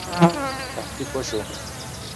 تحقیق وسو.